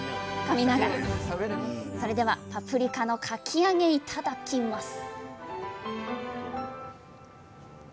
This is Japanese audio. それではパプリカのかき揚げいただきます！